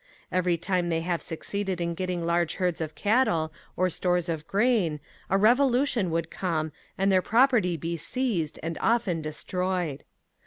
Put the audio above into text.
Every time they have succeeded in getting large herds of cattle or stores of grain a revolution would come and their property be seized and often destroyed.